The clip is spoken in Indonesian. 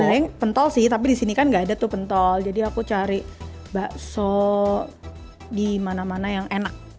paling pentol sih tapi di sini kan gak ada tuh pentol jadi aku cari bakso di mana mana yang enak